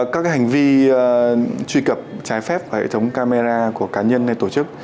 các cái hành vi truy cập trái phép của hệ thống camera của cá nhân hay tổ chức